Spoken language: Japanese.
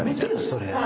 それ。